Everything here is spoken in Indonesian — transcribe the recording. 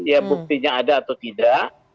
ya buktinya ada atau tidak